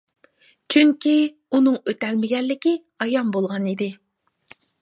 چۈنكى ئۇنىڭ ئۆتەلمىگەنلىكى ئايان بولغان ئىدى.